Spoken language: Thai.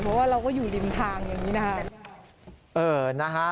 เพราะว่าเราก็อยู่ริมทางอย่างนี้นะครับ